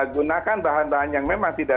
gunakan bahan bahan yang memang tidak